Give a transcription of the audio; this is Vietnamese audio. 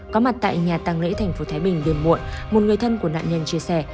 có mặt tại nhà tàng lễ thành phố thái bình đường muộn một người thân của nạn nhân chia sẻ